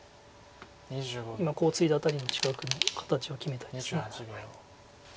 今コウをツイだ辺りの近く形を決めたいです。